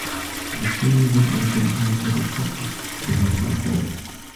For the same reason it was being held without spectators (behind closed doors).